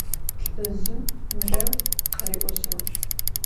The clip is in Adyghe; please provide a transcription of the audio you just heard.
Lh'ızjım mıreu khari'ojığ.